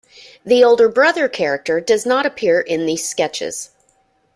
The older brother character does not appear in these sketches.